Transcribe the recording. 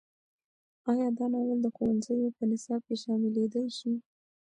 ایا دا ناول د ښوونځیو په نصاب کې شاملېدی شي؟